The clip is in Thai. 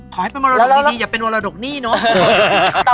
ขอให้เป็นมรดกดีอย่าเป็นมรดกหนี้เนอะ